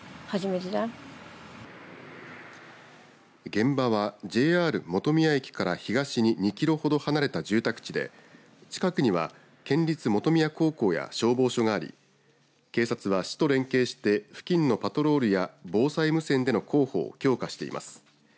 現場はＪＲ本宮駅から東に２キロほど離れた住宅地で近くには県立本宮高校や消防署があり警察は市と連携して付近のパトロールや防災無線での広報を強化しています。